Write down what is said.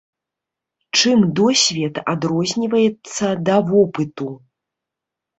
Чым досвед адрозніваецца да вопыту?